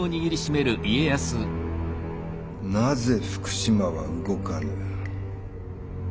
なぜ福島は動かぬ。